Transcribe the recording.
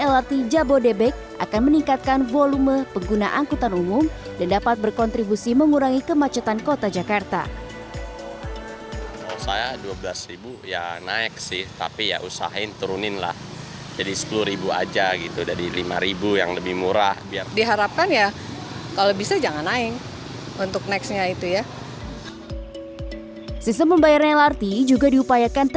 lrt tahap empat